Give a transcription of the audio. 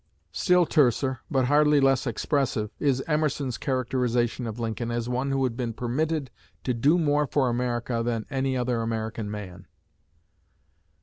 Still terser, but hardly less expressive, is Emerson's characterization of Lincoln as one who had been "permitted to do more for America than any other American man."